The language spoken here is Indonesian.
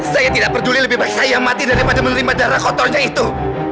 saya tidak peduli lebih baik saya mati daripada menerima darah kotornya itu